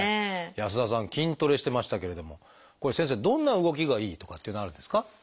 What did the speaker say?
安田さん筋トレしてましたけれどもこれ先生どんな動きがいいとかっていうのはあるんですか？